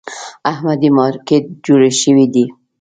احمدي مارکېټ جوړ شوی دی.